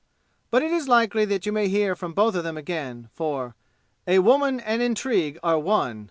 But it is likely that you may hear from both of them again, for "A woman and intrigue are one!"